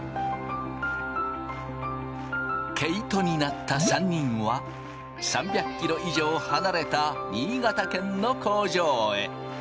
毛糸になった３人は３００ｋｍ以上離れた新潟県の工場へ。